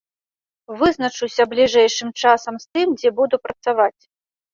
Вызначуся бліжэйшым часам з тым, дзе буду працаваць.